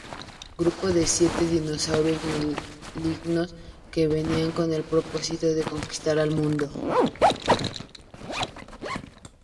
Grupo de siete dinosaurios malignos que venían con el propósito de conquistar el mundo.